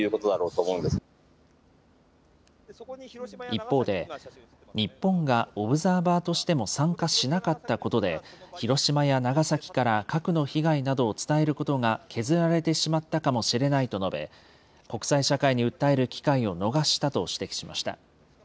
一方で、日本がオブザーバーとしても参加しなかったことで、広島や長崎から核の被害などを伝えることが削られてしまったかもしれないと述べ、国際社会に訴える機会を逃したと指摘しました。